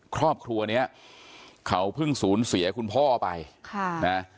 ครอบครัวเนี้ยเขาเพิ่งสูญเสียคุณพ่อไปค่ะนะ